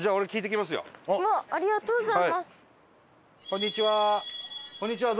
こんにちは。